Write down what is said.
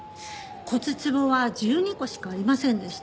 骨壺は１２個しかありませんでした。